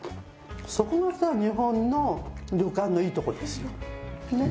そこがさ日本の旅館のいいところですよ。